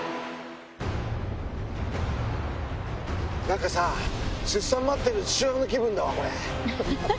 なんかさ、出産待ってる父親の気分だわ、これ。